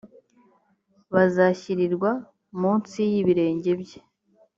bazashyirirwa munsi y ibirenge bye